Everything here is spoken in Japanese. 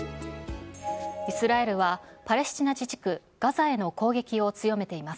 イスラエルはパレスチナ自治区ガザへの攻撃を強めています。